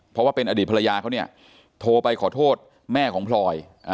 เพราะว่าเป็นอดีตภรรยาเขาเนี่ยโทรไปขอโทษแม่ของพลอย